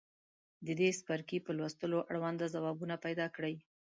د دې څپرکي په لوستلو اړونده ځوابونه پیداکړئ.